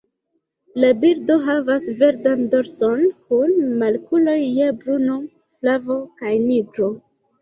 La birdoj havas verdan dorson, kun makuloj je bruno, flavo kaj nigro.